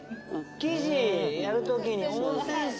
生地やる時に温泉水。